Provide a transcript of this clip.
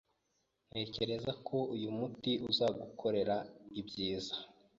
Ntekereza ko uyu muti uzagukorera ibyiza.